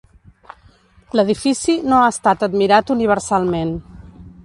L'edifici no ha estat admirat universalment.